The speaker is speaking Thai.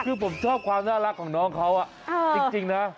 คือผมชอบความน่ารักของน้องเขาจริงนะ